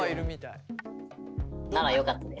ならよかったです。